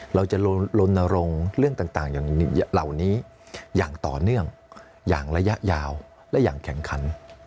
เราจะลนรงค์เรื่องต่างเหล่านี้อย่างต่อเนื่องอย่างระยะยาวและอย่างแข่งขัน